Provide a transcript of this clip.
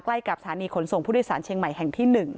กับสถานีขนส่งผู้โดยสารเชียงใหม่แห่งที่๑